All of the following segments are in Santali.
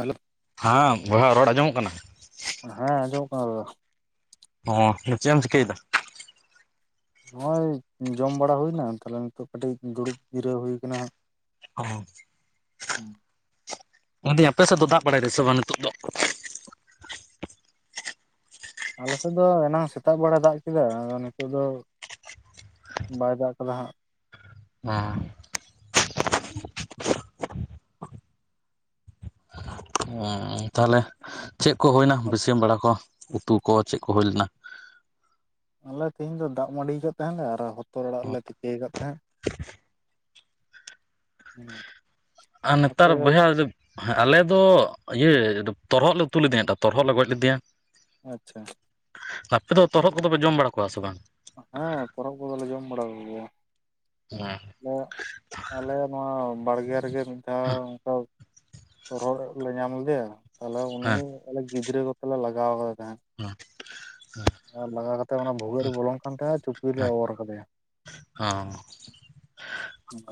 ᱦᱟᱞᱳ ᱾ ᱦᱮᱸ ᱵᱚᱭᱦᱟ ᱨᱚᱲ ᱟᱸᱡᱚᱢᱚᱜ ᱠᱟᱱᱟ ᱾ ᱦᱮᱸ ᱟᱸᱡᱚᱢᱚᱜ ᱠᱟᱱᱟ ᱫᱟᱫᱟ ᱾ ᱚ ᱪᱮᱜ ᱮᱢ ᱪᱤᱠᱟᱹ ᱭᱮᱫ? ᱱᱚᱜᱼᱚᱭ ᱡᱚᱢ ᱵᱟᱲᱟ ᱦᱩᱭᱱᱟ ᱛᱟᱦᱚᱞᱮ ᱱᱤᱛᱚᱜ ᱠᱟᱹᱴᱤᱡ ᱫᱩᱲᱩᱵ ᱡᱤᱨᱟᱹᱣ ᱦᱩᱭ ᱠᱟᱱᱟ ᱾ ᱚ ᱢᱮᱱᱫᱟᱹᱧ ᱟᱯᱮ ᱥᱮᱜ ᱫᱚ ᱫᱟᱜ ᱵᱟᱲᱟᱭ ᱥᱮ ᱵᱟᱝ ᱱᱤᱛᱚᱜ ᱫᱚ? ᱟᱞᱮ ᱥᱮᱜ ᱫᱚ ᱮᱱᱟᱝ ᱥᱮᱛᱟᱜ ᱵᱮᱲᱟ ᱫᱟᱜ ᱠᱮᱫᱟ ᱟᱫᱚ ᱱᱤᱛᱚᱜ ᱫᱚ ᱵᱟᱭ ᱫᱟᱜ ᱠᱟᱫᱟ ᱦᱟᱸᱜ ᱾ ᱦᱩ ᱾ [unintelligible] ᱛᱟᱦᱚᱞᱮ ᱪᱮᱜ ᱠᱚ ᱦᱳᱭᱱᱟ ᱵᱮᱥᱤᱢ ᱵᱟᱲᱟ ᱠᱚ ᱩᱛᱩ ᱠᱚ ᱪᱮᱜ ᱠᱚ ᱦᱳᱭ ᱞᱮᱱᱟ? ᱟᱞᱮ ᱛᱮᱦᱤᱧ ᱫᱚ ᱫᱟᱜ ᱢᱟᱹᱰᱤ ᱠᱟᱜ ᱛᱟᱦᱮᱸᱜᱞᱮ ᱟᱨ ᱦᱚᱛᱚᱨ ᱟᱲᱟᱜ ᱞᱮ ᱛᱤᱠᱮ ᱟᱠᱟᱫ ᱛᱟᱦᱮᱸᱫ ᱾ [unintelligible] ᱟ ᱱᱮᱛᱟᱨ ᱟᱯᱮ ᱵᱚᱭᱦᱟ ᱾ ᱟᱞᱮ ᱫᱚ ᱤᱭᱟᱹ ᱛᱚᱨᱦᱚᱜ ᱞᱮ ᱩᱛᱩ ᱞᱮᱫᱮᱭᱟ ᱛᱚ ᱛᱚᱨᱦᱚᱜ ᱞᱮ ᱜᱚᱡ ᱞᱮᱫᱮᱭᱟ ᱾ ᱟᱪᱪᱷᱟ ᱾ ᱟᱯᱮ ᱫᱚ ᱛᱚᱨᱦᱚᱫ ᱠᱚᱫᱚᱯᱮ ᱡᱚᱢ ᱵᱟᱲᱟ ᱠᱚᱣᱟ ᱥᱮ ᱵᱟᱝ? ᱦᱮᱸ ᱛᱚᱨᱦᱚᱜ ᱠᱚᱫᱚᱞᱮ ᱡᱚᱢ ᱵᱟᱲᱟ ᱠᱚᱜᱮᱭᱟ ᱦᱮᱸ ᱞᱮᱜ ᱟᱞᱮ ᱱᱚᱣᱟ ᱵᱟᱲᱜᱮ ᱨᱮᱜᱮ ᱢᱤᱫ ᱫᱷᱟᱣ ᱛᱚ ᱚᱱᱠᱟ ᱛᱚᱨᱦᱚᱜ ᱞᱮ ᱞᱮ ᱧᱟᱢ ᱞᱮᱫᱮᱭᱟ ᱛᱟᱦᱚᱞᱮ ᱩᱱᱤ ᱦᱮᱸ ᱟᱞᱮ ᱜᱤᱫᱽᱨᱟᱹ ᱵᱟᱯᱞᱟ ᱞᱟᱜᱟᱣ ᱠᱟᱫᱟᱮ ᱛᱟᱦᱮᱸᱫ ᱾ [unintelligible] ᱞᱟᱜᱟ ᱠᱟᱛᱮ ᱚᱱᱟ ᱵᱷᱩᱜᱟᱹᱜ ᱨᱮ ᱵᱚᱞᱚᱱ ᱠᱟᱱ ᱛᱟᱭᱟ ᱪᱩᱯᱤ ᱨᱮ ᱞᱮ ᱚᱨ ᱠᱟᱫᱮᱭᱟ ᱾ ᱚ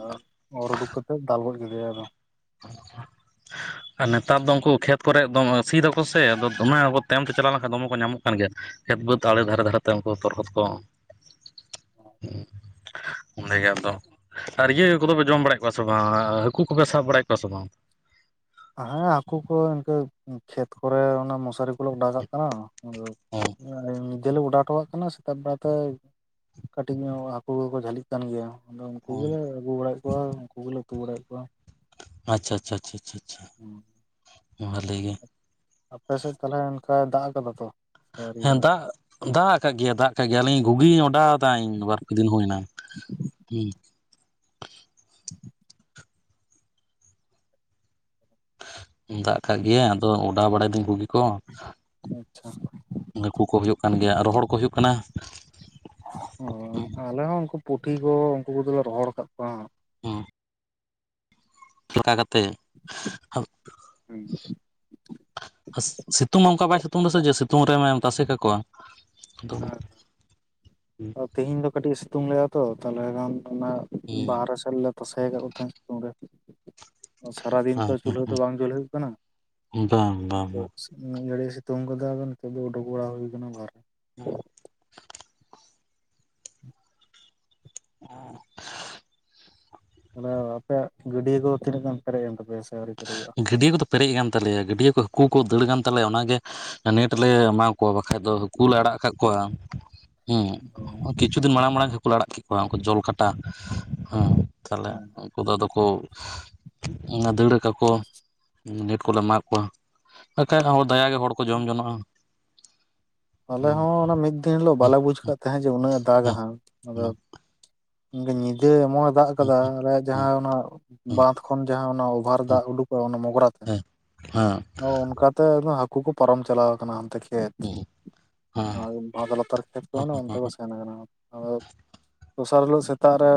ᱟᱨ ᱚᱨ ᱩᱰᱩᱠ ᱠᱟᱛᱮᱜ ᱫᱟᱞ ᱜᱚᱡ ᱠᱮᱫᱮᱟᱭᱟ ᱟᱫᱚ ᱾ [unintelligible] ᱟᱨ ᱱᱮᱛᱟᱨ ᱫᱚ ᱩᱱᱠᱩ ᱠᱷᱮᱛ ᱠᱚᱨᱮ ᱫᱚᱢ ᱥᱤᱭ ᱫᱟᱠᱚ ᱥᱮ ᱟᱫᱚ ᱫᱚᱢᱮ ᱟᱵᱚ ᱛᱟᱭᱚᱢ ᱛᱮ ᱪᱟᱞᱟᱣ ᱞᱮᱱᱠᱷᱟᱱ ᱫᱚᱢᱮ ᱠᱚ ᱧᱟᱢᱚᱜ ᱠᱟᱱ ᱜᱮᱭᱟ ᱾ ᱠᱷᱮᱛ ᱵᱟᱹᱫᱽ ᱟᱲᱮ ᱫᱷᱟᱨᱮ ᱫᱷᱟᱨᱮ ᱛᱮ ᱩᱱᱠᱩ ᱛᱚᱨᱦᱚᱫ ᱠᱚ ᱾ ᱚᱸᱰᱮ ᱜᱮ ᱟᱫᱚ ᱟᱨ ᱤᱭᱟᱹ ᱠᱚᱫᱚ ᱯᱮ ᱡᱚᱢ ᱵᱟᱲᱟᱭᱮᱫ ᱠᱚᱣᱟ ᱥᱮ ᱵᱟᱝ ᱦᱟᱹᱠᱩ ᱠᱚᱯᱮ ᱥᱟᱵ ᱵᱟᱲᱟ ᱭᱮᱜ ᱠᱚᱣᱟ ᱥᱮ ᱵᱟᱝ? ᱦᱮᱸ ᱦᱟᱹᱠᱩ ᱠᱚ ᱤᱱᱠᱟᱹ ᱠᱷᱮᱛ ᱠᱚᱨᱮ ᱚᱱᱟ ᱢᱚᱥᱟᱨᱤ ᱠᱚᱞᱮ ᱚᱰᱟᱣ ᱠᱟᱜ ᱠᱟᱱᱟ ᱾ ᱟᱫᱚ ᱚ ᱟᱞᱤᱧ ᱡᱮ ᱦᱤᱞᱳᱜ ᱚᱰᱟ ᱠᱟᱣᱟᱜ ᱛᱟᱦᱮᱱᱟ ᱥᱮᱛᱟᱜ ᱵᱮᱲᱟᱛᱮ ᱠᱟᱹᱴᱤᱡ ᱧᱚᱜ ᱦᱟᱹᱠᱩ ᱠᱩ ᱡᱷᱟᱹᱞᱤᱜ ᱠᱟᱱ ᱜᱮᱭᱟ ᱾ ᱟᱫᱚ ᱩᱱᱠᱩ ᱜᱮᱞᱮ ᱟᱹᱜᱩ ᱵᱟᱲᱟᱭᱮᱜ ᱠᱚᱣᱟ ᱩᱱᱠᱩ ᱜᱮᱞᱮ ᱩᱛᱩ ᱵᱟᱲᱟᱭᱮᱜ ᱠᱚᱣᱟ ᱾ ᱟᱪᱪᱷᱟ ᱟᱪᱪᱷᱟ ᱟᱪᱪᱷᱟ ᱟᱪᱪᱷᱟ ᱾ ᱟᱯᱮ ᱥᱮᱫ ᱛᱟᱞᱦᱮ ᱚᱱᱠᱟ ᱫᱟᱜ ᱟᱠᱟᱫᱟ ᱛᱚ? ᱥᱮ ᱟᱹᱣᱨᱤ ᱦᱮᱸ ᱫᱟᱜᱟ ᱫᱟᱜ ᱫᱟᱜ ᱟᱠᱟᱜ ᱜᱮᱭᱟ ᱫᱟᱜ ᱟᱠᱟᱜ ᱜᱮᱭᱟ ᱟᱞᱤᱧ ᱜᱷᱩᱜᱤ ᱚᱰᱟᱣ ᱫᱟ ᱤᱧ ᱵᱟᱨᱯᱮ ᱫᱤᱱ ᱦᱩᱭᱮᱱᱟ ᱦᱩ ᱾ ᱫᱟᱜ ᱠᱟᱜ ᱜᱮᱭᱟ ᱟᱫᱚ ᱚᱰᱟᱣ ᱵᱟᱲᱟᱭ ᱫᱟᱹᱧ ᱜᱷᱩᱜᱤ ᱠᱚ ᱾ ᱟᱪᱪᱷᱟ ᱾ ᱦᱟᱹᱠᱩ ᱠᱚ ᱦᱩᱭᱩᱜ ᱠᱟᱱ ᱜᱮᱭᱟ ᱟᱨ ᱨᱚᱦᱚᱲ ᱠᱚ ᱦᱩᱭᱩᱜ ᱠᱟᱱᱟ ᱾ ᱚ ᱟᱞᱮ ᱦᱚᱸ ᱩᱱᱠᱩ ᱯᱩᱴᱷᱤ ᱠᱚ ᱩᱱᱠᱩ ᱠᱚᱫᱚᱞᱮ ᱨᱚᱦᱚᱲ ᱟᱠᱟᱫ ᱠᱚᱣᱟ᱾ ᱦᱩ, [inaudible] ᱠᱟᱛᱮ, [unintelligible] ᱦᱟᱥ ᱥᱤᱛᱩᱝ ᱦᱚᱸ ᱚᱝᱠᱟ ᱵᱟᱭ ᱥᱤᱛᱩᱝ ᱫᱟᱥᱮ ᱡᱮ ᱥᱤᱛᱩᱝ ᱨᱮᱢ ᱢᱮ ᱛᱟᱥᱮ ᱠᱟᱠᱚᱣᱟ ᱟᱫᱚ, ᱛᱤᱦᱤᱧ ᱫᱚ ᱠᱟᱹᱴᱤᱡ ᱥᱤᱛᱩᱝ ᱞᱮᱜᱟ ᱛᱚ ᱛᱟᱦᱚᱞᱮ ᱠᱷᱟᱱ ᱚᱱᱟ ᱵᱟᱦᱨᱮ ᱥᱮᱜ ᱞᱮ ᱛᱟᱥᱮ ᱟᱠᱟᱫ ᱠᱚ ᱛᱟᱦᱮᱸᱱ ᱚᱱᱰᱮ᱾ ᱥᱟᱨᱟᱫᱤᱱ ᱛᱚ ᱪᱩᱞᱦᱟᱹ ᱛᱚ ᱵᱟᱝ ᱡᱩᱞ ᱦᱩᱭᱩᱜ ᱠᱟᱱᱟ᱾ ᱦᱩᱸ ᱵᱟᱝ ᱵᱟᱝ ᱵᱟᱝ ᱢᱤᱜ ᱜᱷᱟᱹᱲᱤ ᱥᱤᱛᱩᱝ ᱠᱟᱫᱟ ᱟᱫᱚ ᱱᱤᱛᱚᱜ ᱫᱚ ᱩᱰᱩᱠ ᱵᱟᱲᱟ ᱦᱩᱭ ᱠᱟᱱᱟ ᱵᱟᱨᱮ ᱦᱮᱸ, ᱚ, ᱢᱟᱱᱮ ᱟᱯᱮᱭᱟᱜ ᱜᱟᱹᱰᱭᱟᱹ ᱠᱚ ᱛᱤᱱᱟᱹᱜ ᱜᱟᱱ ᱯᱮᱨᱮᱡ ᱮᱱ ᱛᱟᱯᱭᱟ ᱥᱮ ᱟᱹᱣᱨᱤ ᱯᱮᱨᱮᱡᱚᱜᱼᱟ? ᱜᱟᱹᱰᱭᱟᱹ ᱠᱚᱫᱚ ᱯᱮᱨᱮᱡ ᱟᱠᱟᱱ ᱛᱟᱞᱮᱭᱟ ᱜᱟᱹᱰᱭᱟᱹ ᱠᱚ ᱦᱟᱹᱠᱩ ᱠᱚ ᱫᱟᱹᱲ ᱜᱟᱱ ᱛᱟᱞᱮᱭᱟ ᱚᱱᱟᱜᱮ ᱱᱮᱴ ᱞᱮ ᱮᱢᱟ ᱠᱚ ᱵᱟᱠᱷᱟᱡ ᱫᱚ ᱦᱟᱹᱠᱩ ᱞᱮ ᱟᱲᱟᱜ ᱟᱠᱟᱜ ᱠᱚᱣᱟ ᱦᱮᱸ, ᱚ, ᱠᱤᱪᱷᱩ ᱫᱤᱱ ᱢᱟᱲᱟᱝ ᱢᱟᱲᱟᱝ ᱦᱟᱹᱠᱩ ᱞᱮ ᱟᱲᱟᱜ ᱠᱮᱫ ᱠᱚᱣᱟ ᱩᱱᱠᱩ ᱡᱚᱞ ᱠᱟᱴᱟ ᱦᱮᱸ ᱛᱟᱦᱚᱞᱮ ᱦᱮᱸ ᱩᱱᱠᱩ ᱫᱚ ᱟᱫᱚ ᱠᱚ ᱫᱟᱹᱲ ᱟᱠᱟᱠᱚ ᱱᱮᱴ ᱠᱚᱞᱮ ᱮᱢᱟ ᱠᱚᱣᱟ᱾ ᱵᱟᱠᱷᱟᱡ ᱦᱚᱸ ᱫᱟᱭᱟ ᱜᱮ ᱦᱚᱲ ᱠᱚ ᱡᱚᱢ ᱡᱚᱱᱚᱜᱼᱟ᱾ ᱟᱞᱮ ᱦᱮᱸ ᱦᱚᱸ ᱚᱱᱟ ᱢᱤᱫ ᱫᱤᱱ ᱦᱤᱞᱳᱜ ᱦᱮᱸ ᱵᱟᱞᱮ ᱵᱩᱡ ᱠᱟᱫ ᱛᱟᱦᱮᱸᱫ ᱡᱮ ᱩᱱᱟᱹᱜ ᱫᱟᱜᱟ ᱦᱮᱸ ᱦᱟᱸᱜ ᱟᱫᱚ ᱦᱮᱸ ᱧᱤᱫᱟᱹ ᱮᱢᱚᱜ ᱫᱟᱜ ᱦᱮᱸ ᱦᱮᱸ ᱦᱮᱸ ᱠᱟᱫᱟ ᱟᱞᱮᱭᱟᱜ ᱦᱮᱸ ᱦᱮᱸ ᱦᱮᱸ ᱦᱮᱸ ᱦᱮᱸ ᱦᱮᱸ ᱡᱟᱦᱟᱸ ᱚᱱᱟ ᱦᱮᱸ ᱵᱟᱸᱫᱽ ᱠᱷᱚᱱ ᱡᱟᱦᱟᱸ ᱚᱱᱟ ᱚᱵᱷᱟᱨ ᱫᱟᱜ ᱩᱰᱩᱠᱚᱜ ᱚᱱᱟ ᱢᱚᱜᱽᱨᱟ ᱛᱮ, ᱚ ᱚᱱᱠᱟ ᱛᱮ ᱦᱟᱠᱩ ᱠᱚ ᱯᱟᱨᱚᱢ ᱪᱟᱞᱟᱣ ᱠᱟᱱᱟ ᱦᱟᱱᱛᱮ ᱠᱷᱮᱛ᱾ ᱦᱮᱸ, ᱟᱨ ᱵᱟᱸᱫ ᱞᱟᱛᱟᱨ ᱠᱷᱮᱛ ᱠᱚ ᱚᱱᱛᱮ ᱠᱚ ᱥᱮᱱ ᱠᱟᱱᱟ ᱟᱫᱚ ᱫᱚᱥᱟᱨ ᱦᱤᱞᱳᱜ ᱥᱮᱛᱟᱜ ᱨᱮ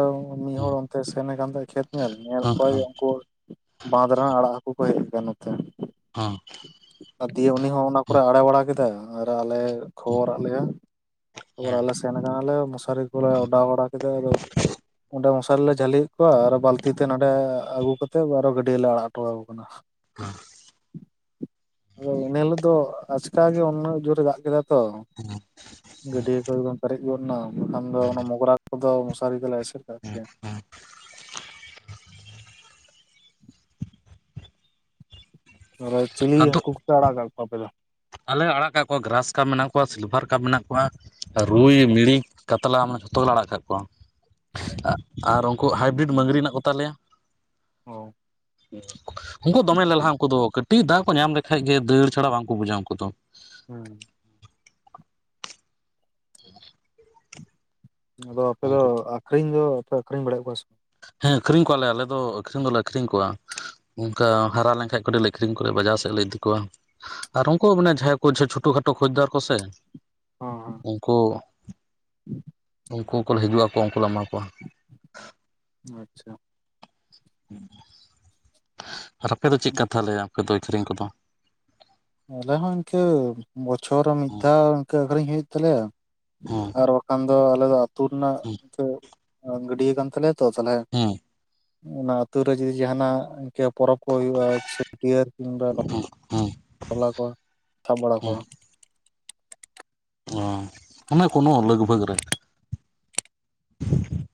ᱢᱤᱫ ᱦᱚᱲ ᱚᱱᱛᱮ ᱥᱮᱱ ᱟᱠᱟᱱ ᱛᱟᱦᱮᱸᱱᱮ ᱠᱷᱮᱛ ᱧᱮᱞ ᱧᱮᱞᱮᱫ ᱠᱚᱣᱟᱭ ᱡᱮ ᱩᱱᱠᱩ ᱵᱟᱸᱫᱽ ᱨᱮᱱ ᱟᱲᱟᱜ ᱦᱟᱹᱠᱩ ᱠᱚ ᱦᱮᱡ ᱠᱟᱱᱟ ᱱᱚᱛᱮ᱾ ᱦᱚᱸ, ᱟᱨ ᱫᱤᱭᱮ ᱩᱱᱤ ᱦᱚᱸ ᱚᱱᱟ ᱠᱚᱨᱮ ᱟᱲᱮ ᱵᱟᱲᱟ ᱠᱮᱫᱟ ᱟᱨ ᱟᱞᱮ ᱠᱷᱚᱵᱚᱨ ᱟᱫ ᱞᱮᱭᱟ᱾ ᱛᱟᱨᱯᱚᱨ ᱦᱮᱸ ᱟᱞᱮ ᱥᱮᱱ ᱠᱟᱱᱟᱞᱮ ᱢᱚᱥᱟᱨᱤ ᱠᱚᱞᱮ ᱚᱰᱟᱣ ᱵᱟᱲᱟ ᱠᱮᱫᱟ ᱟᱫᱚ, ᱚᱸᱰᱮ ᱢᱚᱥᱟᱨᱤ ᱨᱮᱞᱮ ᱡᱷᱟᱹᱞᱤ ᱭᱮᱫ ᱠᱚᱣᱟ ᱟᱨ ᱵᱟᱹᱞᱛᱤ ᱛᱮ ᱱᱚᱰᱮ ᱟᱹᱜᱩ ᱠᱟᱛᱮ ᱟᱨᱦᱚᱸ ᱜᱟᱹᱰᱭᱟᱹ ᱨᱮᱞᱮ ᱟᱲᱟᱜ ᱦᱚᱴᱚ ᱠᱟᱠᱚ ᱠᱟᱱᱟ᱾ ᱦᱮᱸ, ᱟᱫᱚ ᱮᱱᱟᱹ ᱦᱤᱞᱳᱜ ᱫᱚ ᱟᱪᱠᱟ ᱜᱮ ᱩᱱᱟᱹᱜ ᱡᱳᱨᱮ ᱫᱟᱜ ᱠᱮᱫᱟ ᱛᱚ᱾ ᱦᱮᱸ, ᱜᱟᱹᱰᱭᱟᱹ ᱠᱚ ᱮᱠᱫᱚᱢ ᱯᱮᱨᱮᱡ ᱜᱚᱫ ᱮᱱᱟ ᱵᱟᱠᱷᱟᱱ ᱫᱚ ᱚᱱᱟ ᱢᱚᱜᱽᱨᱟ ᱠᱚᱫᱚ ᱢᱚᱥᱟᱨᱤ ᱛᱮᱞᱮ ᱮᱥᱮᱫ ᱠᱟᱜ ᱠᱮᱭᱟ᱾ [inaudible] ᱟᱨ ᱪᱤᱞᱤ ᱟᱫᱚ ᱦᱟᱹᱠᱩ ᱠᱚᱯᱮ ᱟᱲᱟᱜ ᱠᱟᱜ ᱠᱚᱣᱟ ᱟᱯᱮ ᱫᱚ? ᱟᱞᱮ ᱟᱲᱟᱜ ᱠᱟᱜ ᱠᱚᱣᱟ ᱜᱨᱟᱥᱠᱟ ᱢᱮᱱᱟᱜ ᱠᱚᱣᱟ ᱥᱤᱞᱵᱷᱟᱨᱠᱟ ᱢᱮᱱᱟᱜ ᱠᱚᱣᱟ᱾ ᱨᱩᱭ ᱢᱤᱲᱤᱡ ᱠᱟᱛᱞᱟ ᱢᱟᱱᱮ ᱡᱷᱚᱛᱚ ᱜᱮᱞᱮ ᱟᱲᱟᱜ ᱠᱟᱜ ᱠᱚᱣᱟ᱾ ᱟᱨ ᱩᱱᱠᱩ ᱦᱟᱭᱵᱨᱤᱴ ᱢᱟᱝᱜᱽᱨᱤ ᱦᱮᱱᱟᱜ ᱠᱚ ᱛᱟᱞᱮᱭᱟ᱾ ᱚ ᱩᱱᱠᱩ ᱫᱚᱢᱮ ᱞᱮᱞᱦᱟ ᱩᱱᱠᱩ ᱫᱚ ᱠᱟᱹᱴᱤᱡ ᱫᱟᱜ ᱠᱚ ᱧᱟᱢ ᱞᱮᱠᱷᱟᱡ ᱜᱮ ᱫᱟᱹᱲ ᱪᱷᱟᱲᱟ ᱵᱟᱝ ᱠᱚ ᱵᱩᱡᱟ ᱩᱱᱠᱩ ᱫᱚ᱾ ᱦᱩᱸ, ᱟᱫᱚ ᱟᱯᱮ ᱫᱚ ᱟᱠᱷᱨᱤᱧ ᱫᱚ ᱯᱮ ᱟᱠᱷᱨᱤᱧ ᱵᱟᱲᱟᱭᱮᱫ ᱠᱚᱣᱟ ᱥᱮ ᱵᱟᱝ? ᱦᱮᱸ ᱟᱹᱠᱷᱨᱤᱧ ᱠᱚᱣᱟᱞᱮ ᱟᱞᱮ ᱫᱚ ᱟᱹᱠᱷᱨᱤᱧ ᱫᱚᱞᱮ ᱟᱠᱷᱨᱤᱧ ᱠᱚᱣᱟ᱾ ᱚᱱᱠᱟ ᱦᱟᱨᱟ ᱞᱮᱱ ᱠᱷᱟᱡ ᱠᱚ ᱠᱟᱹᱴᱤᱡ ᱞᱮ ᱟᱹᱠᱷᱨᱤᱧ ᱠᱚᱣᱟ ᱵᱟᱡᱟᱨ ᱥᱮᱫ ᱞᱮ ᱤᱫᱤ ᱠᱚᱣᱟ᱾ ᱟᱨ ᱩᱱᱠᱩ ᱢᱟᱱᱮ ᱡᱟᱦᱟᱸᱭ ᱠᱚ ᱪᱷᱚᱴᱳ ᱠᱷᱟᱴᱳ ᱠᱷᱚᱡᱽᱫᱟᱨ ᱠᱚ ᱥᱮ, ᱚᱸ ᱩᱱᱠᱩ ᱩᱱᱠᱩ ᱠᱚᱠᱚ ᱦᱤᱡᱩᱜ ᱟᱠᱚ ᱩᱱᱠᱩ ᱞᱮ ᱮᱢᱟ ᱠᱚᱣᱟ ᱾ ᱟᱪᱪᱷᱟ ᱟᱨ ᱟᱯᱮ ᱫᱚ ᱪᱮᱫ ᱠᱟ ᱛᱟᱦᱞᱮ ᱟᱯᱮ ᱫᱚ ᱟᱹᱠᱷᱨᱤᱧ ᱠᱚᱫᱚ? ᱟᱞᱮ ᱦᱚᱸ ᱤᱱᱠᱟᱹ ᱵᱚᱪᱷᱚᱨ ᱨᱮ ᱢᱤᱫ ᱫᱷᱟᱣ ᱤᱱᱠᱟᱹ ᱟᱠᱷᱨᱤᱧ ᱦᱩᱭᱩᱜ ᱛᱟᱞᱮᱭᱟ ᱾ ᱦᱮᱸ ᱟᱨ ᱵᱟᱠᱷᱟᱱ ᱫᱚ ᱟᱞᱮ ᱫᱚ ᱟᱹᱛᱩ ᱨᱮᱱᱟᱜ ᱦᱮᱸ ᱜᱟᱹᱰᱭᱟᱹ ᱠᱟᱱ ᱛᱟᱞᱮᱭᱟ ᱛᱚ ᱛᱟᱞᱮ ᱦᱮᱸ ᱚᱱᱟ ᱟᱹᱛᱩ ᱨᱮ ᱡᱩᱫᱤ ᱡᱟᱦᱟᱱᱟᱜ ᱤᱱᱠᱟᱹ ᱯᱚᱨᱚᱵᱽ ᱠᱚ ᱦᱩᱭᱩᱜ-ᱟ ᱪᱷᱟᱹᱴᱭᱟᱹᱨ ᱠᱤᱢᱵᱟ ᱦᱮᱸ ᱦᱮᱸ ᱴᱚᱞᱟ ᱠᱚ ᱥᱟᱵ ᱵᱟᱲᱟ ᱠᱚᱣᱟ ᱚᱸ ᱚᱱᱮ ᱠᱳᱱᱳ ᱩᱞᱞᱟᱜᱽ ᱵᱷᱟᱜᱽ ᱨᱮ [unintelligible]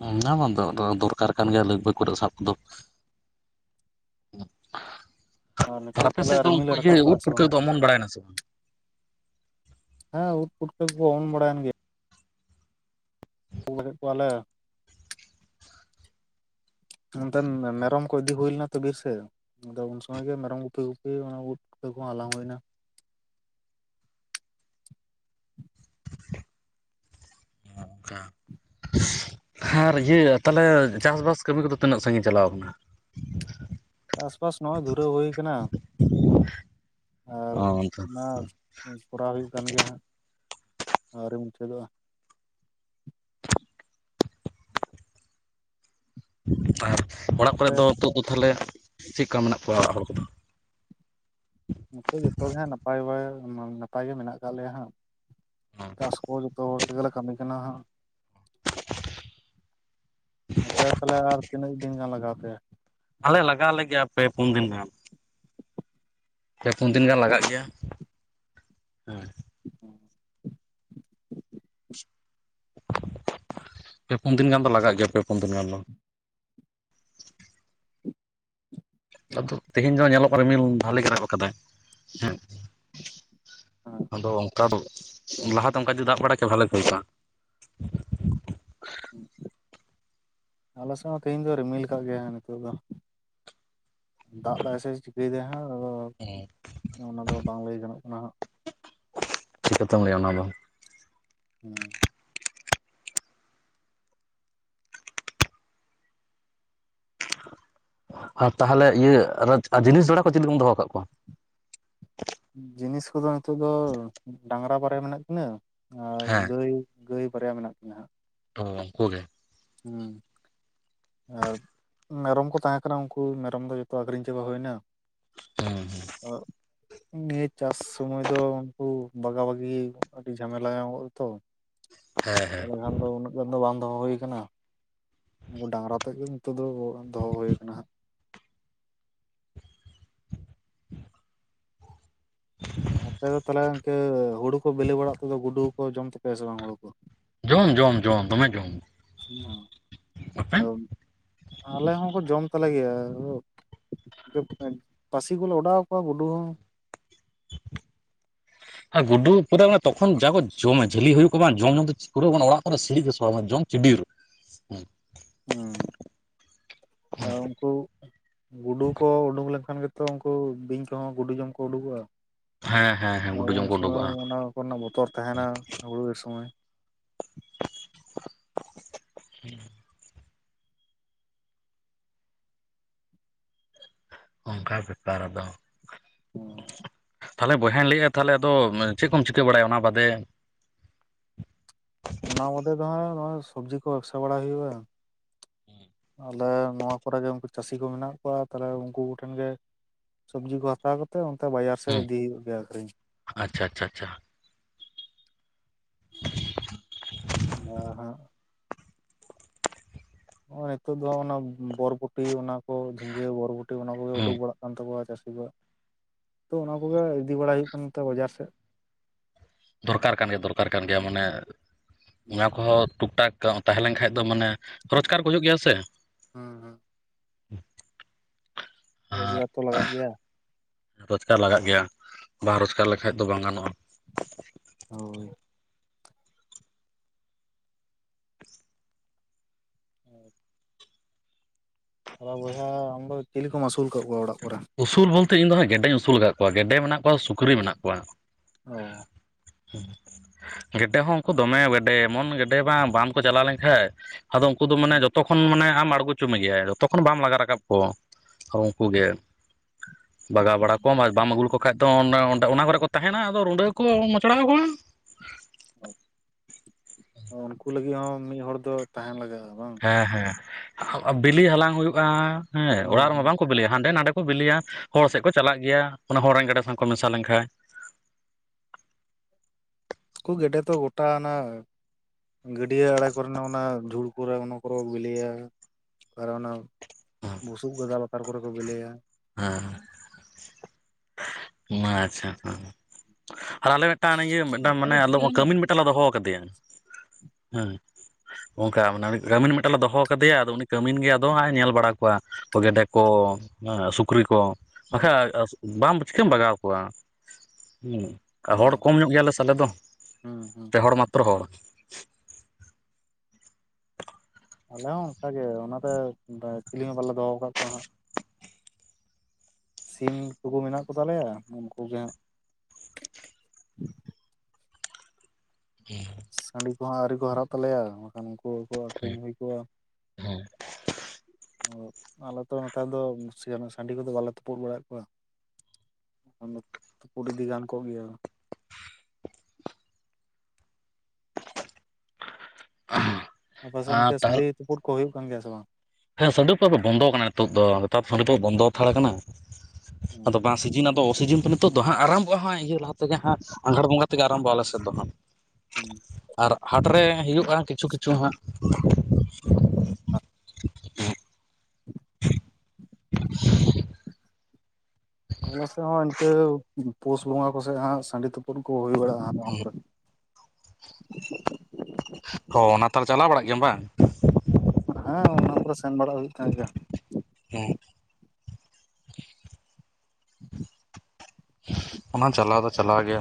ᱦᱮᱸ ᱚᱱᱟ ᱦᱚᱸ ᱫᱚ ᱫᱚᱨᱠᱟᱨ ᱠᱟᱱ ᱜᱮᱭᱟ ᱞᱟᱹᱜᱽ ᱵᱟᱹᱜᱽ ᱠᱚᱨᱮ ᱥᱟᱵ ᱠᱚᱫᱚ ᱟᱨ ᱱᱤᱛᱚᱜ ᱟᱯᱮ ᱛᱟᱦᱚᱞᱮ ᱥᱮᱫ ᱫᱚ ᱨᱤᱢᱤᱞ ᱮ ᱤᱭᱟᱹ ᱨᱟᱠᱟᱵ ᱳᱫ ᱠᱟᱫᱟ ᱥᱮ ᱵᱟᱝ? ᱯᱩᱴᱠᱟᱹ ᱫᱚ ᱚᱢᱚᱱ ᱵᱟᱲᱟᱭᱮᱱᱟ ᱥᱮ ᱵᱟᱝ? ᱦᱮᱸ ᱩᱫ ᱯᱩᱴᱠᱟᱹ ᱠᱚ ᱚᱢᱚᱱ ᱵᱟᱲᱟᱭᱮᱱ ᱜᱮᱭᱟ ᱯᱩᱱ ᱵᱷᱟᱜᱮᱫ ᱠᱚᱣᱟᱞᱮ ᱾ ᱱᱚᱛᱮᱱ ᱢᱮᱨᱚᱢ ᱠᱚ ᱤᱫᱤ ᱦᱩᱭ ᱞᱮᱱᱟ ᱟᱛᱩ ᱵᱤᱨ ᱥᱮ ᱟᱫᱚ ᱩᱱ ᱥᱚᱢᱚᱭ ᱜᱮ ᱢᱮᱨᱚᱢ ᱜᱩᱯᱤ ᱜᱩᱯᱤ ᱚᱱᱟ ᱩᱫ ᱯᱩᱴᱠᱟᱹ ᱠᱚᱦᱚᱸ ᱦᱟᱞᱟᱝ ᱦᱩᱭᱱᱟ ᱾ ᱦᱚᱸ ᱚᱝᱠᱟ ᱟᱨ ᱤᱭᱟᱹ ᱛᱟᱦᱞᱮ ᱪᱟᱥᱵᱟᱥ ᱠᱟᱹᱢᱤ ᱠᱚᱫᱚ ᱛᱤᱱᱟᱹᱜ ᱥᱟᱺᱜᱤᱧ ᱪᱟᱞᱟᱣ ᱟᱠᱟᱱᱟ? [unintelligible] ᱪᱟᱥᱵᱟᱥ ᱱᱚᱜᱚᱭ ᱫᱷᱩᱨᱟᱹᱣ ᱦᱩᱭ ᱟᱠᱟᱱᱟ ᱟᱨ ᱚ ᱚᱱᱛᱮ ᱚᱱᱟ ᱠᱚᱨᱟᱣ ᱦᱩᱭᱩᱜ ᱠᱟᱱ ᱜᱮᱭᱟ ᱦᱟᱸᱜ ᱟᱹᱣᱨᱤ ᱢᱩᱪᱟᱹᱫᱚᱜ-ᱟ ᱾ ᱟᱨ ᱚᱲᱟᱜ ᱠᱚᱨᱮ ᱟᱯᱮ ᱫᱚ ᱛᱳ ᱫᱚ ᱛᱟᱦᱞᱮ ᱪᱮᱫᱠᱟ ᱢᱮᱱᱟᱜ ᱠᱚᱣᱟ ᱚᱲᱟᱜ ᱦᱚᱲ ᱠᱚᱫᱚ? ᱱᱚᱛᱮ ᱡᱚᱛᱚᱜ ᱜᱮ ᱦᱟᱸᱜ ᱱᱟᱯᱟᱭ ᱵᱟᱲᱟ ᱱᱟᱯᱟᱭ ᱜᱮ ᱢᱮᱱᱟᱜ ᱟᱠᱟᱫ ᱞᱮᱭᱟ ᱦᱟᱸᱜ ᱪᱟᱥ ᱠᱚ ᱡᱚᱛᱚ ᱦᱚᱲ ᱛᱮᱜᱮᱞᱮ ᱠᱟᱹᱢᱤ ᱠᱟᱱᱟ ᱦᱟᱸᱜ ᱟᱯᱮ ᱛᱟᱦᱚᱞᱮ ᱟᱨ ᱛᱤᱱᱟᱹᱜ ᱫᱤᱱ ᱜᱟᱱ ᱞᱟᱜᱟᱣ ᱯᱮᱭᱟ? ᱟᱞᱮ ᱞᱟᱜᱟᱣ ᱞᱮᱜᱮᱭᱟ ᱯᱮ ᱯᱩᱱ ᱫᱤᱱ ᱜᱟᱱ ᱾ ᱯᱮ ᱯᱩᱱ ᱫᱤᱱ ᱜᱟᱱ ᱞᱟᱜᱟᱜ ᱜᱮᱭᱟ ᱦᱮᱸ ᱦᱮᱸ ᱯᱮ ᱯᱩᱱ ᱫᱤᱱ ᱜᱟᱱ ᱫᱚ ᱞᱟᱜᱟᱜ ᱜᱮᱭᱟ ᱯᱮ ᱯᱩᱱ ᱫᱤᱱ ᱜᱟᱱ ᱫᱚ ᱟᱫᱚ ᱛᱮᱦᱤᱧ ᱫᱚ ᱧᱮᱞᱚᱜ ᱠᱟᱱᱟ ᱨᱤᱢᱤᱞ ᱵᱷᱟᱞᱮ ᱜᱮ ᱨᱟᱠᱟᱵ ᱟᱠᱟᱫᱟᱭ ᱦᱮᱸ ᱦᱮᱸ ᱟᱫᱚ ᱚᱱᱠᱟ ᱫᱚ ᱞᱟᱦᱟᱛᱮ ᱚᱱᱠᱟ ᱡᱩᱫᱤ ᱫᱟᱜ ᱵᱟᱲᱟ ᱠᱮᱭᱟ ᱵᱷᱟᱞᱮ ᱦᱩᱭ ᱠᱚᱜ-ᱟ ᱾ ᱟᱞᱮ ᱥᱮᱫ ᱦᱚᱸ ᱛᱮᱦᱤᱧ ᱫᱚ ᱨᱤᱢᱤᱞ ᱟᱠᱟᱫ ᱜᱮᱭᱟ ᱱᱤᱛᱚᱜ ᱫᱚ ᱫᱟᱜ ᱫᱟᱭ ᱥᱮ ᱪᱤᱠᱟᱹᱭᱮᱫᱟᱭ ᱦᱟᱸᱜ ᱟᱫᱚ ᱚᱱᱟ ᱫᱚ ᱵᱟᱝ ᱞᱟᱹᱭ ᱜᱟᱱᱚᱜ ᱠᱟᱱᱟ ᱦᱟᱸᱜ ᱪᱤᱠᱟᱛᱮᱢ ᱞᱟᱹᱭᱟ ᱚᱱᱟ ᱫᱚ ᱦᱩᱸ ᱟᱨ ᱛᱟᱦᱚᱞᱮ ᱤᱭᱟᱹ ᱡᱤᱱᱤᱥ ᱡᱚᱲᱟ ᱠᱚ ᱪᱮᱫ ᱞᱮᱠᱟᱢ ᱫᱚᱦᱚᱸ ᱟᱠᱟᱜ ᱠᱚᱣᱟ? ᱡᱤᱱᱤᱥ ᱠᱚᱫᱚ ᱱᱤᱛᱚᱜ ᱫᱚ ᱰᱟᱝᱨᱟ ᱵᱟᱨᱭᱟ ᱢᱮᱱᱟᱜ ᱠᱤᱱᱟᱹ ᱟᱨ ᱦᱮᱸ ᱜᱟᱹᱭ ᱜᱟᱹᱭ ᱵᱟᱨᱭᱟ ᱢᱮᱱᱟᱜ ᱠᱤᱱᱟ ᱦᱟᱸᱜ ᱚᱸ ᱩᱱᱠᱩ ᱜᱮ ᱦᱩᱸ ᱟᱨ ᱢᱮᱨᱚᱢ ᱠᱚ ᱛᱟᱦᱮᱸ ᱠᱟᱱᱟ ᱩᱱᱠᱩ ᱢᱮᱨᱚᱢ ᱫᱚ ᱡᱚᱛᱚ ᱟᱠᱷᱨᱤᱧ ᱪᱟᱵᱟ ᱦᱩᱭ ᱮᱱᱟ ᱦᱩᱸ ᱚᱸ ᱱᱤᱭᱟᱹ ᱪᱟᱥ ᱥᱚᱢᱚᱭ ᱫᱚ ᱩᱱᱠᱩ ᱵᱟᱜᱟ ᱵᱟᱜᱤ ᱟᱹᱰᱤ ᱡᱷᱟᱢᱮᱞᱟ ᱦᱚᱭᱚᱜ-ᱟ ᱛᱚ ᱾ ᱦᱮᱸ ᱦᱮᱸ ᱟᱫᱚ ᱩᱱᱟᱹᱜ ᱜᱟᱱ ᱫᱚ ᱵᱟᱝ ᱫᱚᱦᱚ ᱦᱩᱭ ᱟᱠᱟᱱᱟ ᱩᱱᱠᱩ ᱰᱟᱝᱨᱟ ᱛᱮᱫ ᱜᱮ ᱱᱤᱛᱚᱜ ᱫᱚ ᱫᱚᱦᱚ ᱦᱩᱭ ᱟᱠᱟᱱᱟ ᱦᱟᱸᱜ ᱾ [inaudible] ᱟᱯᱮ ᱫᱚ ᱛᱟᱦᱚᱞᱮ ᱜᱚᱝᱠᱮ ᱦᱩᱲᱩ ᱠᱚ ᱵᱤᱞᱤ ᱵᱟᱲᱟᱜ ᱛᱮᱫᱚ ᱜᱩᱰᱚ ᱠᱚ ᱡᱚᱢ ᱛᱟᱯᱮᱭᱟ ᱥᱮ ᱵᱟᱝ ᱦᱩᱲᱩ ᱠᱚ? ᱡᱚᱢ ᱡᱚᱢ ᱡᱚᱢ ᱫᱚᱢᱮ ᱡᱚᱢ ᱾ ᱦ ᱟᱞᱮ ᱦᱚᱸᱠᱚ ᱡᱚᱢ ᱛᱟᱞᱮ ᱜᱮᱭᱟ ᱦᱩᱲᱩ ᱯᱟᱹᱥᱤ ᱠᱚᱞᱮ ᱚᱰᱟᱣ ᱟᱠᱚ ᱦᱚ ᱜᱚᱰᱚ ᱦᱚᱸ ᱟᱨ ᱜᱩᱰᱚ ᱯᱚᱨᱮ ᱦᱚ ᱛᱚᱠᱷᱚᱱ ᱡᱟ ᱠᱚ ᱡᱚᱢᱟ ᱡᱟᱹᱞᱤ ᱦᱩᱭᱩᱜ ᱠᱚ ᱵᱟᱝ ᱡᱚᱢ ᱧᱩᱚᱢᱟᱹ ᱚᱲᱟᱜ ᱠᱚᱨᱮ ᱥᱤᱲᱤᱡ ᱜᱮ ᱥᱚ ᱟ ᱡᱚᱢ ᱪᱤᱰᱤᱨ, ᱦᱩᱸ ᱟᱨ ᱩᱱᱠᱩ ᱜᱩᱰᱩ ᱠᱚ ᱩᱰᱩᱝ ᱞᱮᱠᱷᱟᱱ ᱜᱮ ᱛᱚ ᱩᱱᱠᱩ ᱵᱤᱧ ᱠᱚᱦᱚᱸ ᱜᱩᱰᱩ ᱡᱚᱢ ᱠᱚ ᱩᱰᱩᱠᱚᱜᱼᱟ ᱾ ᱦᱮᱸ ᱦᱮᱸ ᱦᱮᱸ ᱟᱫ ᱜᱩᱰᱩ ᱩᱱ ᱡᱚᱢ ᱠᱚ ᱥᱚᱢᱚᱭ ᱦᱚ ᱩᱰᱩᱠᱚᱜᱼᱟ ᱚᱱᱟ ᱠᱚᱨᱮᱱᱟᱜ ᱵᱚᱛᱚᱨ ᱛᱟᱦᱮᱱᱟ ᱦᱩᱲᱩ ᱤᱨ ᱥᱚᱢᱚᱭ᱾ [inaudible] ᱚᱱᱠᱟ ᱵᱮᱯᱟᱨ ᱫᱚ, ᱛᱟᱦᱚᱞᱮ ᱵᱚᱭᱦᱟᱧ ᱞᱟᱹᱭᱮᱜ ᱛᱟᱦᱚᱞᱮ ᱟᱫᱚ ᱪᱮᱫ ᱠᱚᱢ ᱪᱤᱠᱟᱹ ᱵᱟᱲᱟᱭᱟ ᱚᱱᱟ ᱵᱟᱫᱮ? ᱚᱱᱟ ᱵᱟᱫᱷᱮ ᱫᱚ ᱦᱟᱸᱜ ᱱᱚᱦᱚᱭ ᱥᱩᱵᱡᱤ ᱠᱚ ᱵᱮᱵᱽᱥᱟ ᱵᱟᱲᱟ ᱦᱩᱭᱩᱜᱼᱟ᱾ ᱟᱞᱮ ᱱᱚᱣᱟ ᱠᱚᱨᱮᱜᱮ ᱩᱱᱠᱩ ᱪᱟᱹᱥᱤ ᱠᱚ ᱢᱮᱱᱟᱜ ᱠᱚᱣᱟ ᱛᱟᱦᱞᱮ ᱩᱱᱠᱩ ᱠᱚᱴᱷᱮᱱ ᱜᱮ ᱥᱚᱵᱡᱤ ᱠᱚ ᱦᱟᱛᱟᱣ ᱠᱟᱛᱮᱫ ᱚᱱᱛᱮ ᱵᱟᱡᱟᱨ ᱥᱮᱫ ᱦᱩᱸ ᱤᱫᱤ ᱦᱩᱭᱩᱜ ᱜᱮᱭᱟ ᱟᱠᱷᱨᱤᱧ᱾ ᱟᱪᱪᱷᱟ ᱟᱪᱪᱷᱟ ᱟᱪᱪᱷᱟ ᱱᱟᱦᱟᱸᱜ᱾ ᱱᱚᱜᱼᱚᱭ ᱱᱤᱛᱳᱜ ᱫᱚ ᱚᱱᱟ ᱵᱚᱨᱵᱚᱴᱤ ᱚᱱᱟ ᱠᱚ ᱡᱷᱤᱸᱜᱟᱹ, ᱵᱚᱨᱵᱚᱴᱤ, ᱚᱱᱟ ᱠᱚᱜᱮ ᱩᱰᱩᱠ ᱦᱩᱸ ᱵᱟᱲᱟᱜ ᱠᱟᱱ ᱛᱟᱠᱚᱣᱟ ᱪᱟᱹᱥᱤ ᱠᱚᱣᱟᱜ, ᱛᱚ ᱚᱱᱟ ᱠᱚᱜᱮ ᱤᱫᱤ ᱵᱟᱲᱟ ᱦᱩᱭᱩᱜ ᱠᱟᱱᱛᱮ ᱵᱟᱡᱟᱨ ᱥᱮᱫ᱾ ᱫᱚᱨᱠᱟᱨ ᱠᱟᱱ ᱜᱮᱭᱟ ᱫᱚᱨᱠᱟᱨ ᱠᱟᱱ ᱜᱮᱭᱟ ᱢᱟᱱᱮ, ᱚᱱᱟ ᱠᱚᱦᱚᱸ ᱴᱩᱠ ᱴᱟᱠ ᱛᱟᱦᱮᱸ ᱞᱮᱱ ᱠᱷᱟᱱ ᱫᱚ ᱢᱟᱱᱮ, ᱨᱳᱡᱽᱠᱟᱨ ᱠᱚ ᱦᱩᱭᱩᱜ ᱜᱮᱭᱟ ᱥᱮ? ᱦᱚᱸ ᱦᱚᱸ ᱨᱚᱡᱽᱜᱟᱨ ᱛᱚ ᱞᱟᱜᱟᱜ ᱜᱮᱭᱟ᱾ ᱨᱚᱡᱽᱜᱟᱨ ᱞᱟᱜᱟᱜ ᱜᱮᱭᱟ, ᱵᱟᱝ ᱨᱚᱡᱽᱜᱟᱨ ᱞᱮᱠᱷᱟᱡ ᱫᱚ ᱵᱟᱝ ᱜᱟᱱᱚᱜᱼᱟ᱾ ᱦᱳᱭ, [unintelligible] ᱛᱟᱞᱟ ᱵᱚᱭᱦᱟ ᱟᱢᱫᱚ ᱪᱤᱞᱤ ᱠᱚᱢ ᱟᱹᱥᱩᱞ ᱠᱟᱜ ᱠᱚᱣᱟ ᱚᱲᱟᱜ ᱠᱚᱨᱮ? ᱩᱥᱩᱞ ᱵᱚᱞᱛᱮ ᱤᱧ ᱫᱚ ᱦᱟᱸᱜ ᱜᱮᱰᱮᱧ ᱟᱹᱥᱩᱞ ᱟᱠᱟᱫ ᱠᱚᱣᱟ ᱜᱮᱰᱮ ᱢᱮᱱᱟᱜ ᱠᱚᱣᱟ, ᱥᱩᱠᱨᱤ ᱢᱮᱱᱟᱜ ᱠᱚᱣᱟ᱾ ᱚ [unintelligible] ᱜᱮᱰᱮ ᱦᱚᱸ ᱩᱱᱠᱩ ᱫᱚᱢᱮ ᱜᱮᱰᱮ ᱮᱢᱚᱱ ᱜᱮᱰᱮ ᱵᱟᱝ ᱵᱟᱸᱱ ᱠᱚ ᱪᱟᱞᱟᱣ ᱞᱮᱱᱠᱷᱟᱡ ᱟᱫᱚ ᱩ ᱩᱱᱠᱩ ᱫᱚ ᱢᱟᱱᱮ ᱦᱩᱸ ᱡᱚᱛᱚ ᱠᱷᱚᱱ ᱢᱟᱱᱮ ᱟᱢ ᱟᱬᱜᱚᱪᱚ ᱢᱮᱜᱮᱭᱟᱭ, ᱡᱚᱛᱚ ᱠᱷᱚᱱ ᱵᱟᱢ ᱞᱟᱜᱟ ᱨᱟᱠᱟᱵ ᱠᱚ ᱩᱱᱠᱩ ᱜᱮ᱾ ᱵᱟᱜᱟᱣ ᱚ ᱵᱟᱲᱟ ᱠᱚᱢ ᱟᱨ ᱵᱟᱢ ᱟᱹᱜᱩ ᱞᱮᱠᱚ ᱠᱷᱟᱡ ᱫᱚ ᱚᱱᱟ ᱚᱸᱰᱮ ᱚᱱᱚ ᱠᱚᱨᱮ ᱠᱚ ᱛᱟᱦᱮᱸᱱᱟ ᱟᱫᱚ ᱨᱩᱸᱰᱟᱹ ᱠᱚ ᱢᱚᱪᱲᱟ ᱠᱚᱣᱟ᱾ ᱚ ᱩᱱᱠᱩ ᱞᱟᱹᱜᱤᱫ ᱦᱚᱸ ᱢᱤᱫ ᱦᱚᱲ ᱫᱚ ᱛᱟᱦᱮᱸᱱ ᱞᱟᱜᱟᱜᱼᱟ ᱵᱟᱝ᱾ ᱦᱮᱸ ᱦᱮᱸ ᱵᱤᱞᱤ ᱦᱟᱞᱟᱝ ᱦᱩᱭᱩᱜᱼᱟ, ᱦᱮᱸ ᱦᱩᱸ ᱚᱲᱟᱜ ᱨᱮᱢᱟ ᱦᱩᱸ ᱵᱟᱝᱠᱚ ᱵᱤᱞᱤᱭᱟ ᱦᱟᱸᱰᱮ ᱱᱟᱰᱮ ᱠᱚ ᱵᱤᱞᱤᱭᱟ᱾ ᱦᱚᱲ ᱥᱮᱫ ᱠᱚ ᱪᱟᱞᱟᱜ ᱜᱮᱭᱟ, ᱚᱱᱟ ᱦᱚᱲ ᱨᱮᱱ ᱜᱮᱰᱮ ᱥᱟᱶ ᱠᱚ ᱢᱮᱥᱟ ᱞᱮᱱᱠᱷᱟᱱ ᱠᱩ ᱜᱮᱰᱮ ᱫᱚ ᱜᱚᱴᱟ ᱚᱱᱟ ᱜᱟᱹᱰᱭᱟᱹ ᱟᱲᱮ ᱠᱚᱨᱮᱱᱟᱜ ᱚᱱᱟ ᱡᱷᱩᱲ ᱠᱚᱨᱮ ᱚᱱᱟ ᱠᱚᱨᱮ ᱵᱮᱞᱮᱭᱟ ᱟᱨ ᱚᱱᱟ ᱵᱩᱥᱩᱵᱽ ᱜᱟᱫᱟᱞ ᱞᱟᱛᱟᱨ ᱠᱚᱨᱮ ᱠᱚ ᱵᱮᱞᱮᱭᱟ᱾ ᱦᱮᱸ ᱢᱟ ᱟᱪᱷᱟ ᱦᱮᱸ ᱟᱨ ᱟᱞᱮ ᱢᱤᱫᱴᱟᱝ ᱜᱮ ᱢᱤᱫᱴᱟᱝ ᱢᱟᱱᱮ ᱟᱞᱚᱫ ᱟᱪᱪᱷᱟ ᱠᱟᱹᱢᱤᱱ ᱢᱤᱫᱴᱟᱝ ᱞᱮ ᱫᱚᱦᱚ ᱠᱟᱫᱮᱭᱟ, ᱦᱮᱸ᱾ ᱚᱱᱠᱟ ᱢᱟᱱᱮ ᱠᱟᱹᱢᱤᱱ ᱢᱤᱫᱴᱮᱱ ᱞᱮ ᱫᱚᱦᱚ ᱠᱟᱫᱮᱭᱟ ᱟᱫᱚ ᱩᱱᱤ ᱠᱟᱹᱢᱤᱱ ᱜᱮ ᱟᱫᱚ ᱦᱟᱸᱜ ᱮ ᱧᱮᱞ ᱵᱟᱲᱟ ᱠᱚᱣᱟ᱾ ᱜᱮᱰᱮ ᱠᱚ ᱮᱸᱻᱥᱩᱠ ᱯᱩᱠᱨᱤ ᱠᱚ, ᱵᱟᱠᱷᱟᱡ ᱵᱟᱢ ᱪᱤᱠᱟᱹᱢ ᱵᱟᱜᱟᱣ ᱠᱚᱣᱟ᱾ ᱟᱨ ᱦᱚᱲ ᱚ ᱠᱚᱢ ᱧᱚᱜ ᱜᱮᱭᱟᱞᱮ ᱥᱮ ᱟᱞᱮ ᱫᱚ, ᱦᱩᱸ ᱦᱩᱸ ᱯᱮ ᱦᱚᱲ ᱢᱟᱛᱨᱚ ᱦᱚᱲ᱾ ᱟᱞᱮ ᱦᱚᱸ ᱚᱱᱠᱟ ᱜᱮ ᱚᱱᱟᱛᱮ ᱠᱤᱞᱤᱝ ᱦᱚᱸᱞᱮ ᱫᱚᱦᱚ ᱟᱠᱟᱜ ᱠᱚᱣᱟ ᱦᱟᱸᱜ᱾ ᱥᱤᱢ ᱴᱩᱠᱩ ᱢᱮᱱᱟᱜ ᱠᱚᱛᱟᱞᱮᱭᱟ ᱩᱱᱠᱩ ᱜᱮ ᱦᱟᱸᱜ [unintelligible] ᱥᱟᱺᱰᱤ ᱠᱚᱦᱚᱸ ᱟᱹᱣᱨᱤ ᱠᱚ ᱦᱟᱨᱟᱜ ᱛᱟᱞᱮᱭᱟ, ᱵᱟᱠᱷᱟᱱ ᱩᱱᱠᱩᱠᱚ ᱟᱹᱠᱷᱨᱤᱧ ᱦᱩᱭ ᱠᱚᱜᱼᱟ᱾ [unintelligible] ᱟᱞᱮ ᱫᱚ ᱱᱮᱛᱟᱨ ᱫᱚ ᱥᱤᱢ ᱥᱟᱺᱰᱤ ᱠᱚᱫᱚ ᱵᱟᱞᱮ ᱛᱩᱯᱩᱫ ᱵᱟᱲᱟᱭᱮᱜ ᱠᱚᱣᱟ᱾ ᱯᱩᱰ ᱤᱫᱤ ᱜᱟᱱ ᱠᱚᱜ ᱜᱮᱭᱟ᱾ [unintelligible] ᱟᱯᱮᱥᱮᱱ ᱟᱨ ᱠᱮ ᱛᱟᱦᱚᱞᱮ ᱥᱟᱺᱰᱤ ᱛᱩᱯᱩᱫ ᱠᱚ ᱦᱩᱭᱩᱜ ᱠᱟᱱ ᱜᱮᱭᱟ ᱥᱮ ᱵᱟᱝ? ᱦᱮᱸ ᱥᱟᱺᱰᱤ ᱫᱚ ᱟᱫᱚ ᱵᱚᱱᱫᱚ ᱟᱠᱟᱱᱟ ᱱᱤᱛᱚᱜ ᱫᱚ, ᱱᱮᱛᱟᱨ ᱥᱟᱺᱰᱤ ᱫᱚ ᱵᱚᱱᱫᱚ ᱦᱟᱛᱟᱲ ᱟᱠᱟᱱᱟ᱾ ᱟᱫᱚ ᱵᱟᱝ ᱥᱤᱡᱤᱱ ᱟ ᱛᱚ ᱚᱠᱥᱤᱡᱮᱱ ᱛᱚ ᱱᱤᱛᱚᱜ ᱫᱚ ᱦᱟᱸᱜ ᱟᱨᱟᱢᱵᱚ ᱦᱟᱸᱭ ᱤᱭᱟᱹ ᱞᱟᱦᱟ ᱛᱮᱜᱮ ᱦᱟᱸᱥ, ᱟᱸᱜᱷᱟᱲ ᱵᱚᱸᱜᱟ ᱛᱮᱜᱮ ᱟᱨᱟᱢᱵᱷᱚᱼᱟ ᱟᱞᱮ ᱥᱮᱫ ᱫᱚ ᱦᱟᱸᱜ᱾ ᱟᱨ ᱦᱟᱴᱨᱮ ᱦᱩᱭᱩᱜᱼᱟ ᱠᱤᱪᱷᱩ ᱠᱤᱪᱷᱩ ᱦᱟᱸᱜ᱾ [unintelligible] [unintelligible] [inaudible] ᱦᱚᱸ ᱮᱱᱛᱮ ᱯᱩᱥ ᱵᱚᱸᱜᱟ ᱠᱚᱥᱮᱜ ᱦᱟᱸᱜ ᱥᱟᱺᱰᱤ ᱛᱩᱯᱩᱫ ᱠᱚ ᱦᱩᱭ ᱵᱟᱲᱟᱜᱼᱟ᱾ ᱱᱚᱣᱟ ᱩ ᱠᱚᱨᱮ᱾ ᱚ ᱚᱱᱟ ᱛᱟᱦᱟᱨ ᱪᱟᱞᱟᱣ ᱵᱟᱲᱟᱜ ᱜᱮᱭᱟᱢ ᱵᱟᱝ? ᱦᱮᱸ ᱚᱱᱟ ᱠᱚ ᱥᱮᱱ ᱵᱟᱲᱟ ᱦᱩᱭᱩᱜ ᱛᱟᱦᱮ ᱜᱮ᱾ ᱦᱩᱸ᱾ [unintelligible] ᱚᱱᱟ ᱪᱟᱞᱟᱣ ᱫᱚ ᱪᱟᱞᱟᱣ ᱜᱮ,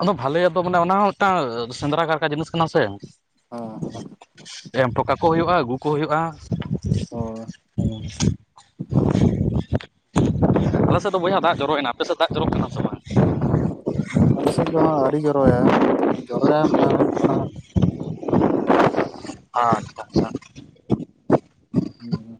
ᱟᱫᱚ ᱵᱷᱟᱞᱮᱭᱟᱜ ᱫᱚ ᱢᱟᱱᱮ ᱚᱱᱟ ᱦᱚᱸ ᱢᱤᱜᱴᱟᱝ ᱥᱮᱸᱫᱽᱨᱟ ᱠᱟᱨᱠᱟ ᱡᱤᱱᱤᱥ ᱠᱟᱱᱟ ᱥᱮ, ᱚ᱾ ᱮᱢᱴᱚ ᱠᱟᱠᱚ ᱦᱩᱭᱩᱜ-ᱟ, ᱟᱜᱩ ᱠᱚ ᱦᱩᱭᱩᱜ-ᱟ, ᱦᱳᱭ ᱟᱞᱮ ᱥᱮᱫ ᱫᱚ ᱵᱚᱭᱦᱟ ᱫᱟᱜ ᱡᱚᱨᱚ ᱭᱮᱱᱟ ᱟᱯᱮᱥᱮᱫ ᱫᱟᱜ ᱡᱚᱨᱚᱜ ᱠᱟᱱᱟ ᱥᱮ ᱵᱟᱝ? ᱟᱞᱮ ᱥᱮᱫ ᱫᱚ ᱦᱟ ᱟᱹᱨᱤ ᱡᱚᱨᱚᱭᱟ᱾ ᱡᱚᱨᱚᱭᱟᱭ ᱢᱚᱱᱮ ᱦᱩᱭᱩᱜ ᱠᱟᱱᱟ ᱦᱟᱜ᱾ ᱟᱪᱪᱷᱟ ᱟᱪᱪᱷᱟ᱾ ᱦᱩᱸ᱾